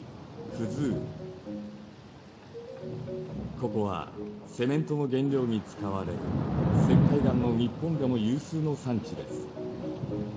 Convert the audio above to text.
ここはセメントの原料に使われる石灰岩の日本でも有数の産地です。